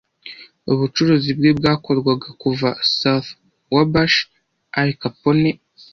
Ubucuruzi bwe bwakorwaga kuva South Wabash Al Capone